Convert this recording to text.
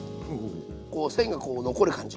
こう線がこう残る感じ。